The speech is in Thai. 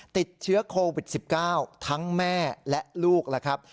ติดเชื้อโควิด๑๙ทั้งแม่และลูกล่ะครับ